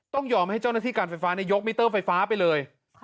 ยอมให้เจ้าหน้าที่การไฟฟ้ายกมิเตอร์ไฟฟ้าไปเลย